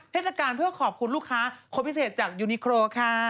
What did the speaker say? เทศกาลเพื่อขอบคุณลูกค้าคนพิเศษจากยูนิโครค่ะ